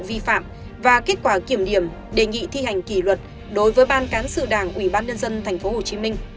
ủy ban kiểm tra trung ương đã xem xét kết quả kiểm điểm đề nghị thi hành kỷ luật đối với ban cán sự đảng ủy ban nhân dân tp hcm